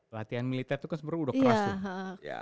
latihan militer itu kan sebenarnya udah keras sih